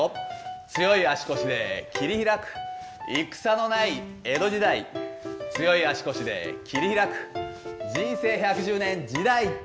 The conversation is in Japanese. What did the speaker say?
強い足腰で、切り開く、戦のない江戸時代、強い足腰で切り開く、人生１１０年時代。